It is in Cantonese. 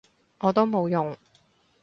我都冇用